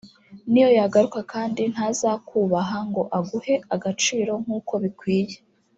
niyo yagaruka kandi ntazakubaha ngo aguhe agaciro nkuko bikwiye